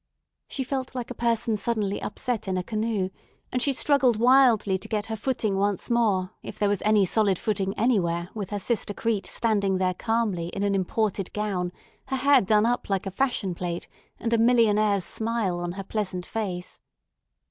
She felt like a person suddenly upset in a canoe, and she struggled wildly to get her footing once more if there was any solid footing anywhere, with her sister Crete standing there calmly in an imported gown, her hair done up like a fashion plate, and a millionaire's smile on her pleasant face.